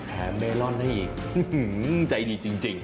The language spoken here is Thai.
แถมเมลอนได้อีกใจดีจริง